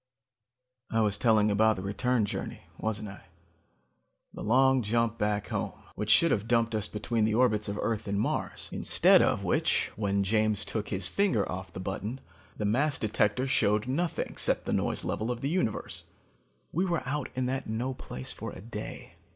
"I was telling about the return journey, wasn't I? The long jump back home, which should have dumped us between the orbits of Earth and Mars. Instead of which, when James took his finger off the button, the mass detector showed nothing except the noise level of the universe. "We were out in that no place for a day.